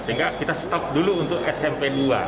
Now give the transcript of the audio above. sehingga kita stop dulu untuk smp dua